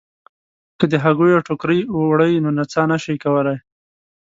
که د هګیو ټوکرۍ وړئ نو نڅا نه شئ کولای.